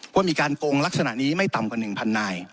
ว่ามีการโกงลักษณะนี้ไม่ต่ำกว่า๑๐๐นาย